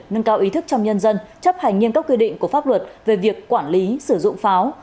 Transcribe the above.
nâng cao ý thức trong nhân dân chấp hành nghiêm cấp quy định của pháp luật về việc quản lý sử dụng pháo